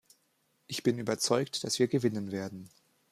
Ich bin überzeugt, dass wir gewinnen werden.